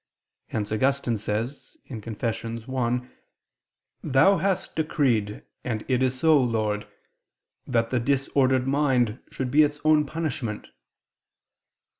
Hence Augustine says (Confess. i): "Thou hast decreed, and it is so, Lord that the disordered mind should be its own punishment."